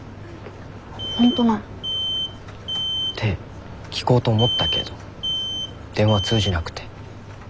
本当なの？って聞こうと思ったけど電話通じなくて。